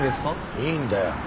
いいんだよ。